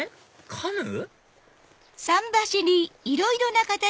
カヌー？